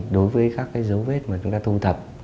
đối với các cái dấu vết mà chúng ta thu thập